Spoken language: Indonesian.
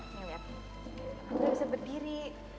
ini lihat gak bisa berdiri